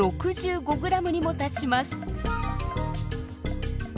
６５グラムにも達します。